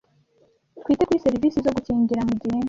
twite kuri serivisi zo gukingira mu gihe